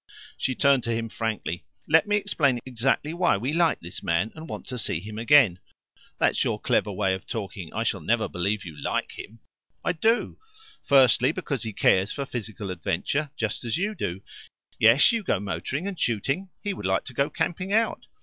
She turned to him frankly. "Let me explain exactly why we like this man, and want to see him again." "That's your clever way of thinking. I shall never believe you like him." "I do. Firstly, because he cares for physical adventure, just as you do. Yes, you go motoring and shooting; he would like to go camping out.